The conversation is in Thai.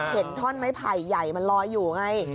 เห็นท่อนไม้ไผ่ใหญ่มันลอยอยู่ไง